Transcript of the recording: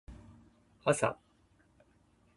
あさ